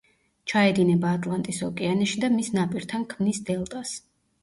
ჩაედინება ატლანტის ოკეანეში და მის ნაპირთან ქმნის დელტას.